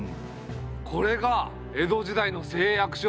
これが江戸時代の誓約書。